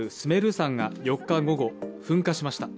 山が４日午後、噴火しました